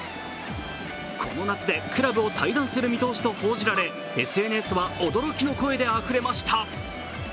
この夏でクラブを退団する見通しと報じられＳＮＳは驚きの声であふれました。